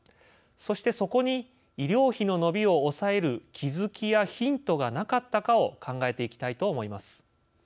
そしてそこに医療費の伸びを抑える「気づき」や「ヒント」がなかったかを考えていきたいと思います。